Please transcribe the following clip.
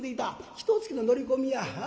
ひとつきの乗り込みや。